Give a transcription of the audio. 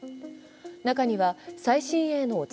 中には、最新鋭の地